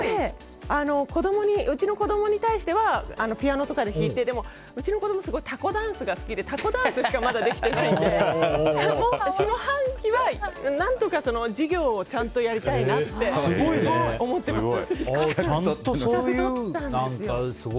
うちの子供に対してはピアノとかで弾いてでも、うちの子供タコダンスが好きでタコダンスしかまだできてないので下半期は何とか授業をちゃんとやりたいなって思ってます。